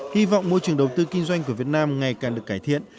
hy vọng môi trường đầu tư kinh doanh của việt nam ngày càng được cải thiện